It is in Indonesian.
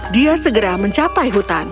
dia segera mencapai hutan